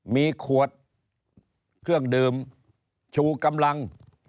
มีขวดเครื่องดื่มชูกำลัง